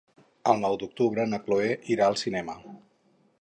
El nou d'octubre na Cloè irà al cinema.